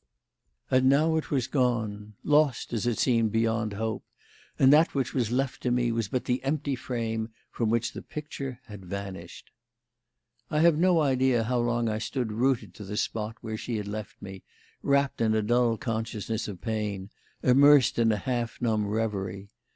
And now it was gone lost, as it seemed, beyond hope; and that which was left to me was but the empty frame from which the picture had vanished. I have no idea how long I stood rooted to the spot where she had left me, wrapped in a dull consciousness of pain, immersed in a half numb reverie.